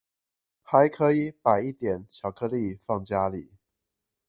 還可以擺一點巧克力放家裡